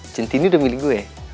cinti ini udah milih gue